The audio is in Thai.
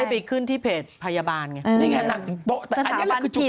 ถึงได้ไปขึ้นที่เพจพยาบาลไง